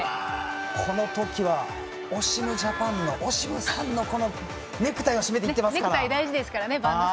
この時はオシムジャパンのこのネクタイを締めていってますから。